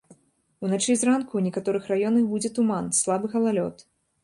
Уначы і зранку ў некаторых раёнах будзе туман, слабы галалёд.